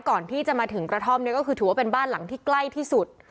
ก่อนที่จะมาถึงกระท่อมเนี่ยก็คือถือว่าเป็นบ้านหลังที่ใกล้ที่สุด